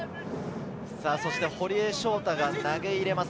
堀江翔太が投げ入れます。